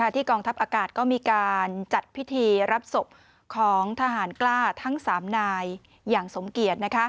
กองทัพอากาศก็มีการจัดพิธีรับศพของทหารกล้าทั้ง๓นายอย่างสมเกียจ